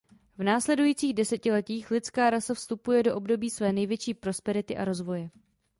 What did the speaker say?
V následujících desetiletích lidská rasa vstupuje do období své největší prosperity a rozvoje.